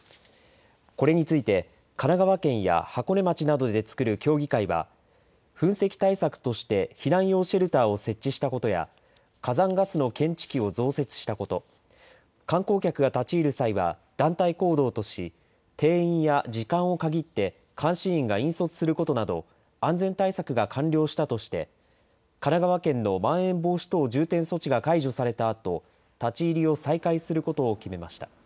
これについて神奈川県や箱根町などで作る協議会は、噴石対策として避難用シェルターを設置したことや、火山ガスの検知器を増設したこと、観光客が立ち入る際は団体行動とし、定員や時間を限って監視員が引率することなど、安全対策が完了したとして、神奈川県のまん延防止等重点措置が解除されたあと、立ち入りを再開することを決めました。